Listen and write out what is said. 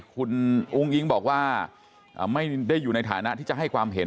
คุณอุ้งอิ๊งบอกว่าไม่ได้อยู่ในฐานะที่จะให้ความเห็น